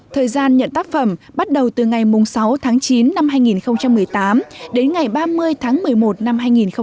thời gian nhận tác phẩm bắt đầu từ ngày sáu tháng chín năm hai nghìn một mươi tám đến ngày ba mươi tháng một mươi một năm hai nghìn một mươi chín